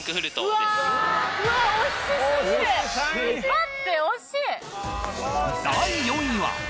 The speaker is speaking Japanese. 待って惜しい！